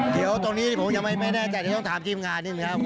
เดี๋ยวตรงนี้ผมยังไม่แน่ใจเดี๋ยวต้องถามทีมงานนิดนึงครับ